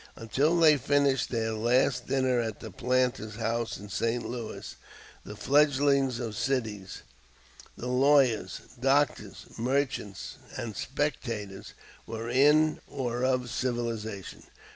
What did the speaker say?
Until they finished their last dinner at the Planter's House in St. Louis, the fledgelings of cities, the lawyers, doctors, merchants, and speculators, were in or of civilization.